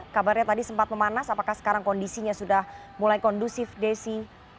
kabarnya tadi sempat memanas apakah sekarang kondisinya sudah mulai kondusif desi